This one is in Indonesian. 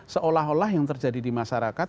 seolah olah yang terjadi di masyarakat